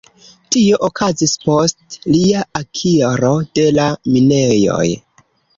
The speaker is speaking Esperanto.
Tio okazis post lia akiro de la minejoj.